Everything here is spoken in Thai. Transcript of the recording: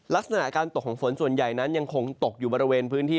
ลักษณะการตกของฝนส่วนใหญ่นั้นยังคงตกอยู่บริเวณพื้นที่